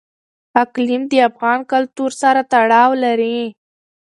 اقلیم د افغان کلتور سره تړاو لري.